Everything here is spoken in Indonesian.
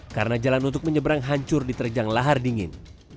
karena jalan untuk menyeberang hancur di terjang lahar dingin